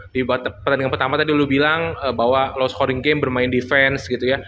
di pertandingan pertama tadi lu bilang bahwa lo scoring game bermain defense gitu ya